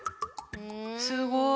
すごい！